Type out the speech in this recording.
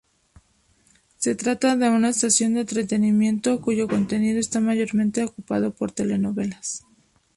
Se trata de una estación de entretenimiento cuyo contenido está mayormente ocupado por telenovelas.